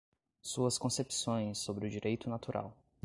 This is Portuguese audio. Suas concepções sobre o Direito Natural